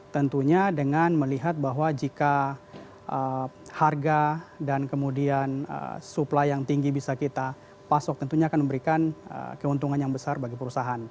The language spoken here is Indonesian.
tentunya dengan melihat bahwa jika harga dan kemudian supply yang tinggi bisa kita pasok tentunya akan memberikan keuntungan yang besar bagi perusahaan